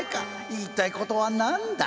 言いたい事は何だ？